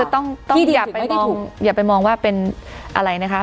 คือต้องอย่าไปมองว่าเป็นอะไรนะคะ